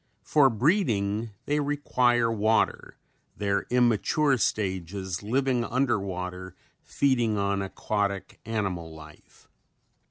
For breeding they require water, their immature stages living under water feeding on aquatic animal life.